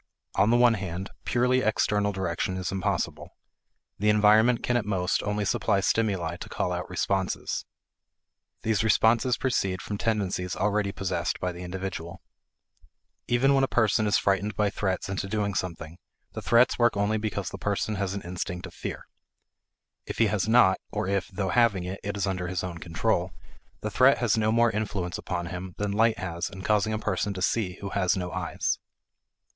On the one hand, purely external direction is impossible. The environment can at most only supply stimuli to call out responses. These responses proceed from tendencies already possessed by the individual. Even when a person is frightened by threats into doing something, the threats work only because the person has an instinct of fear. If he has not, or if, though having it, it is under his own control, the threat has no more influence upon him than light has in causing a person to see who has no eyes.